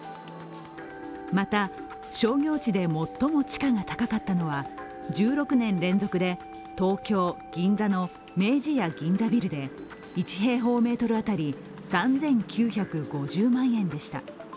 また商業地で最も地価が高かったのは１６年連続で東京・銀座の明治屋銀座ビルで１平方メートル当たり３９５０万円でした。